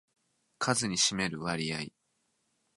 数に占める割合